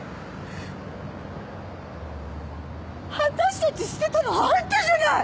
私たち捨てたのはあんたじゃない！